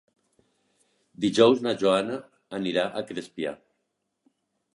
Dijous na Joana anirà a Crespià.